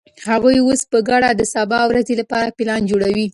هغوی اوس په ګډه د سبا ورځې لپاره پلان جوړوي.